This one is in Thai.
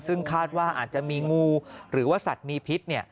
ซึ่งคาดว่าอาจจะมีงูหรือว่าสัตว์มีพิษ